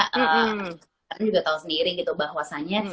kita tahu sendiri gitu bahwasanya